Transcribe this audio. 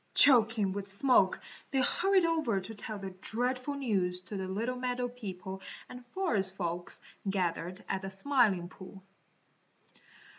Choking with smoke, they hurried over to tell the dreadful news to the little meadow people and forest folks gathered at the Smiling Pool.